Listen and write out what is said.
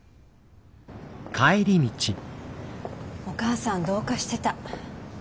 お母さんどうかしてた。